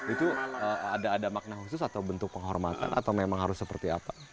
itu ada makna khusus atau bentuk penghormatan atau memang harus seperti apa